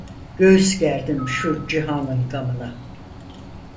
Göğüs gerdim şu cihanın gamına.